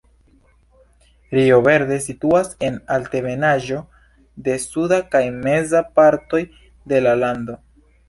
Rio Verde situas en altebenaĵo en suda kaj meza partoj de la lando.